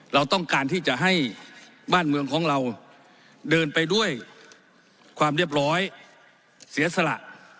เราต้องการที่จะให้บ้านเมืองของเราเดินไปด้วยความเรียบร้อยเสียสละ